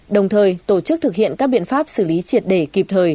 đồng thời tổ chức thực hiện các biện pháp xử lý triệt để kịp thời